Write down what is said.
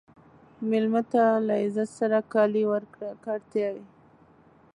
مېلمه ته له عزت سره کالي ورکړه که اړتیا وي.